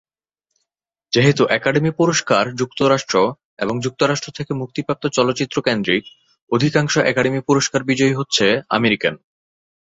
যেহেতু একাডেমি পুরস্কার যুক্তরাষ্ট্র, এবং যুক্তরাষ্ট্র থেকে মুক্তিপ্রাপ্ত চলচ্চিত্র কেন্দ্রিক, অধিকাংশ একাডেমি পুরস্কার বিজয়ী হচ্ছে আমেরিকান।